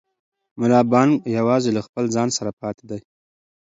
ملا بانګ یوازې له خپل ځان سره پاتې دی.